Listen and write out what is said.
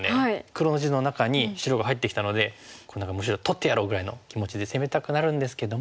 黒の地の中に白が入ってきたので「こんなのむしろ取ってやろう」ぐらいの気持ちで攻めたくなるんですけども。